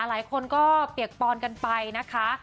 หลายคนก็เปียกปอนกันไปนะคะ